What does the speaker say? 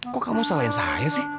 kok kamu salahin saya sih